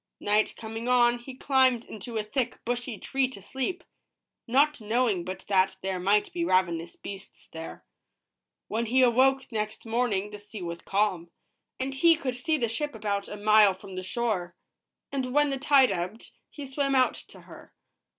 Night coming on, he climbed into a thick, bushy tree to sleep, not knowing but that there might be ravenous beasts there. When he awoke next morning, the sea was calm, and he could see the ship about a mile from the shore ; and when the tide ebbed, he swam out to her.